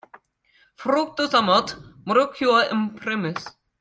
Fructus amat, Murucuia imprimis.